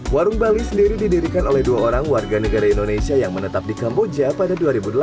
warung bali sendiri didirikan oleh dua orang warga negara indonesia yang menetap di kamboja pada dua ribu delapan